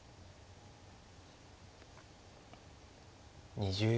２０秒。